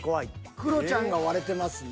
クロちゃんが割れてますね。